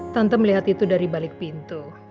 tante melihat itu dari balik pintu